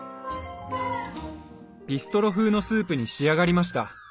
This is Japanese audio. ビストロ風のスープに仕上がりました。